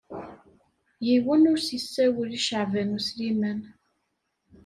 Yiwen ur s-yessawel i Caɛban U Sliman.